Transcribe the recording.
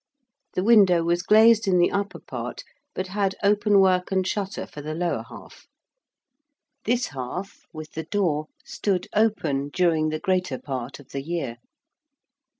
The window was glazed in the upper part, but had open work and shutter for the lower half: this half, with the door, stood open during the greater part of the year.